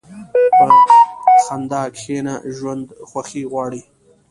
په خندا کښېنه، ژوند خوښي غواړي.